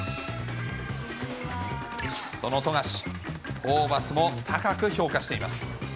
その富樫、ホーバスも高く評価しています。